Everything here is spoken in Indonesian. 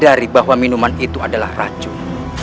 sadari bahwa minuman itu adalah racun